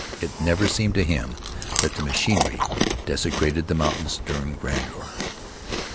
It never seemed to him that the machinery desecrated the mountains' stern grandeur.